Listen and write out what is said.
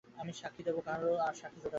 আমি সাক্ষ্য দিব এবং আরো সাক্ষ্য জুটাইব।